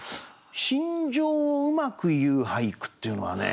心情をうまく言う俳句っていうのはね